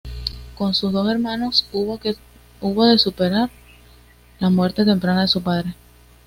Con sus dos hermanos, hubo de superar la muerte temprana de su padre.